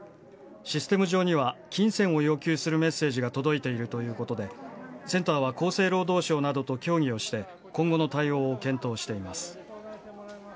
システム上には金銭を要求するメッセージが届いているということで、センターは厚生労働省などと協議をして、今後の対応を検討しています。